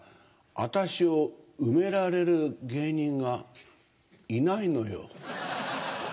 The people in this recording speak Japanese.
私を埋められる芸人がいないのよ。